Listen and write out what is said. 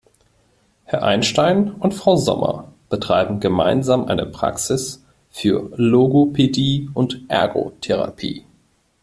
Herr Einstein und Frau Sommer betreiben gemeinsam eine Praxis für Logopädie und Ergotherapie.